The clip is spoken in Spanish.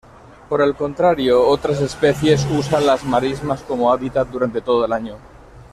Por el contrario, otras especies usan las marismas como hábitat durante todo el año.